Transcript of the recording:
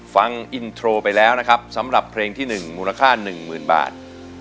ฟังอินโทรไปแล้วนะครับสำหรับเพลงที่๑มูลค่า๑๐๐๐บาท